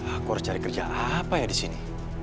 aku harus cari kerja apa ya di sini